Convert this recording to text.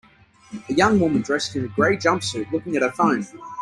A young woman dressed in a gray jumpsuit looking at her phone.